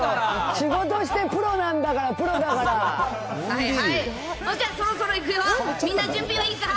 仕事して、プロなんだから、プロだから。